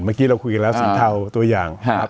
เมื่อกี้เราคุยกันแล้วสีเทาตัวอย่างครับ